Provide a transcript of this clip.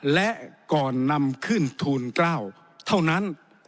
และก่อนนำขึ้นทูล๙เท่านั้น